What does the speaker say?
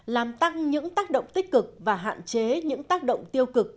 làm tăng những tác động tích cực và hạn chế những tác động tiêu cực